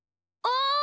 お！